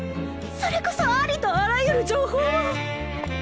それこそありとあらゆる情報を。